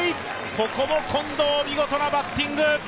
ここも近藤、見事なバッティング。